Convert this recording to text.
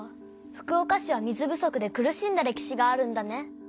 福岡市は水不足で苦しんだ歴史があるんだね。